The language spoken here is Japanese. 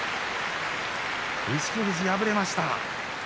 錦富士、敗れました。